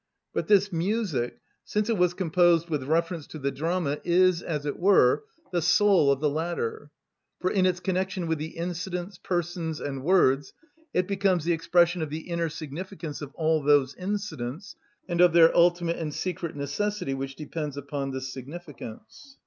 But this music, since it was composed with reference to the drama, is, as it were, the soul of the latter; for, in its connection with the incidents, persons, and words, it becomes the expression of the inner significance of all those incidents, and of their ultimate and secret necessity which depends upon this significance.